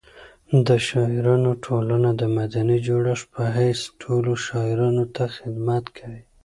د شاعرانو ټولنه د مدني جوړښت په حیث ټولو شاعرانو ته خدمت کوي.